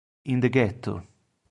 In the Ghetto